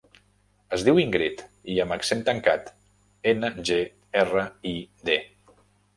Es diu Íngrid: i amb accent tancat, ena, ge, erra, i, de.